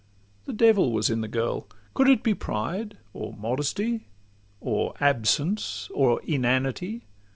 The devil was in the girl! Could it be pride? Or modesty, or absence, or inanity?